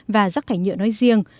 và chất thải nhựa nói riêng